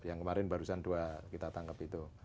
yang kemarin barusan dua kita tangkap itu